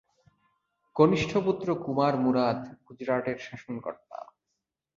কনিষ্ঠ পুত্র কুমার মুরাদ গুজরাটের শাসনকর্তা।